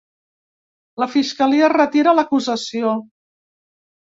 La fiscalia retira l'acusació!